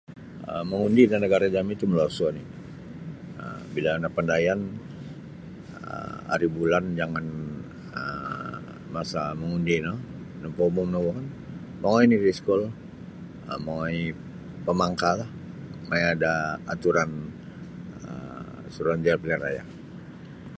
um Mangundi' da nagara' jami' ti molosu' oni um bila napandayan um aribulan jangan um masa mangundi' no napaumum nogukan mongoi oni daiskul um mongoi pamangkahlah maya' da aturan um Suruhanjaya Pilihan Raya.